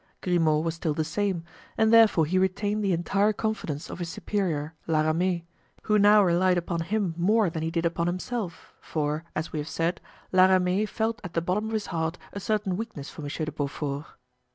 Grimaud was still the same, and therefore he retained the entire confidence of his superior, La Ramee, who now relied upon him more than he did upon himself, for, as we have said, La Ramee felt at the bottom of his heart a certain weakness for Monsieur de Beaufort.